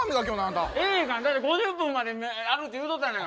だって５０分まであるって言うとったやないか。